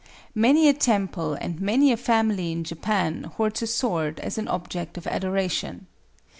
Many a temple and many a family in Japan hoards a sword as an object of adoration.